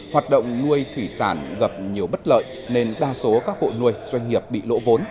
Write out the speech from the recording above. hoạt động nuôi thủy sản gặp nhiều bất lợi nên đa số các hộ nuôi doanh nghiệp bị lỗ vốn